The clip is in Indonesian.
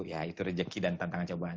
ya itu rezeki dan tantangan cobaan